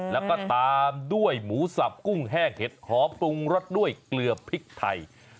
แล้วก็ตามด้วยหมูสับกุ้งแห้งเห็ดหอมปรุงรสด้วยเกลือพริกไทย